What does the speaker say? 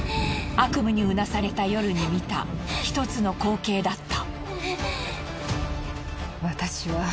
悪夢にうなされた夜に見たひとつの光景だった。